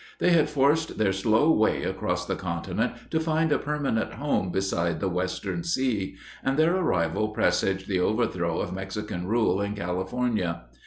They had forced their slow way across the continent to find a permanent home beside the western sea, and their arrival presaged the overthrow of Mexican rule in California.